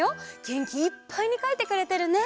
げんきいっぱいにかいてくれてるね。